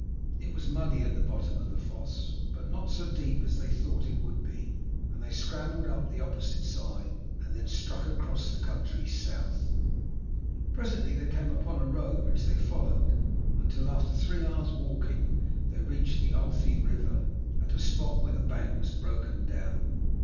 It was muddy at the bottom of the fosse, but not so deep as they thought it would be, and they scrambled up the opposite side and then struck across the country south. Presently they came upon a road, which they followed, until after three hours' walking they reached the Authie river, at a spot where the bank was broken down.